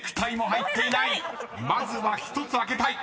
［まずは１つ開けたい。